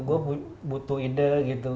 gue butuh ide gitu